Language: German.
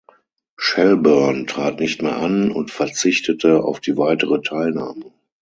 Shelbourne trat nicht mehr an und verzichtete auf die weitere Teilnahme.